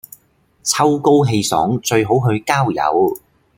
秋高氣爽最好去郊遊